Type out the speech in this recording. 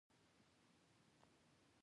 پخول میکروبونه او پرازیټونه له منځه وړي.